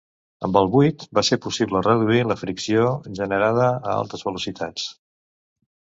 Amb el buit va ser possible reduir la fricció generada a altes velocitats.